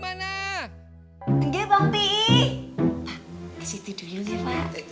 pak kesitu dulu ya pak